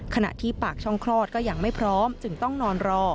ขณะที่ปากช่องคลอดก็ยังไม่พร้อมจึงต้องนอนรอ